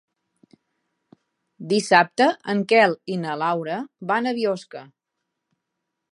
Dissabte en Quel i na Laura van a Biosca.